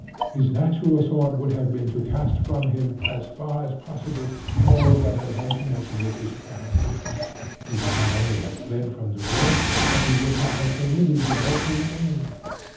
His natural thought would have been to cast from him, as far as possible, all that had held connection with his crime. He would not only have fled from the wharf, but he would not have permitted the boat to remain.